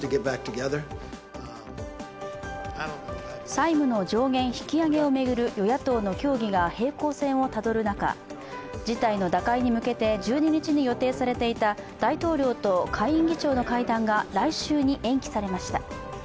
債務の上限引き上げを巡る与野党の協議が平行線をたどる中、事態の打開に向けて１２日に予定されていた大統領と下院議長の会談が来週に延期されました。